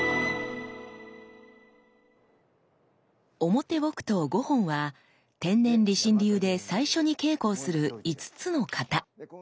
表木刀五本は天然理心流で最初に稽古をする５つの形。